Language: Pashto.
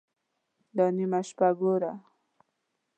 _دا نيمه شپه ګوره!